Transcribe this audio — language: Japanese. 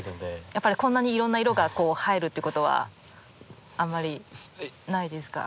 やっぱりこんなにいろんな色が入るっていうことはあんまりないですか？